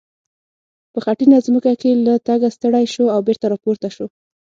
په خټینه ځمکه کې له تګه ستړی شو او بېرته را پورته شو.